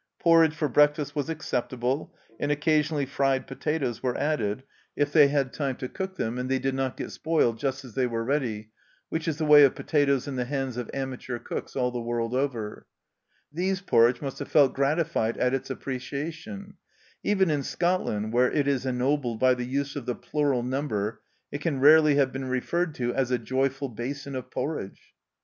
Porridge for breakfast was acceptable, and occa sionally fried potatoes were added, if they had 76 THE CELLAR HOUSE OF PERVYSE time to cook them and they did not get spoiled just as they were ready, which is the way of pota toes in the hands of amateur cooks all the world over* " These " porridge must have felt gratified at its appreciation ; even in Scotland, where it is ennobled by the use of the plural number, it can rarely have been referred to as "a joyful basin of porridge